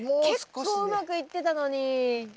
結構うまくいってたのに。